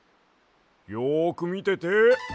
よくみてて。